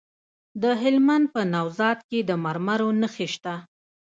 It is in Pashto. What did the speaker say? د هلمند په نوزاد کې د مرمرو نښې شته.